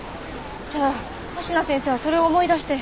じゃあ芦名先生はそれを思い出して。